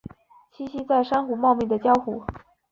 栖息在珊瑚茂密的礁湖。